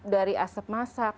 dari asap masak